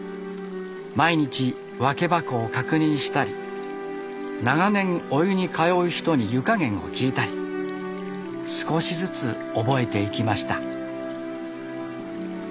毎日分け箱を確認したり長年お湯に通う人に湯加減を聞いたり少しずつ覚えていきました。